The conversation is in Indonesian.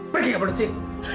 pergi ke mana